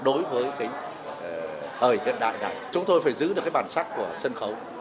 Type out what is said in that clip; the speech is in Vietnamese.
đối với cái thời hiện đại này chúng tôi phải giữ được cái bản sắc của sân khấu